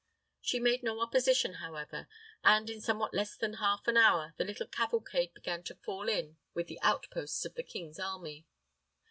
She made no opposition, however; and, in somewhat less than half an hour, the little cavalcade began to fall in with the outposts of the king's army.